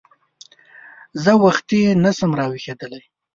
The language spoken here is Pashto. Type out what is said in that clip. زه وختي نه شم راویښېدلی !